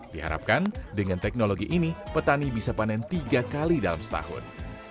diharapkan dengan teknologi ini petani bisa panen tiga kali dalam setahun